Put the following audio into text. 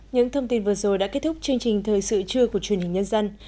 những thông tin vừa rồi đã kết thúc chương trình thời sự trưa của truyền hình nhân dân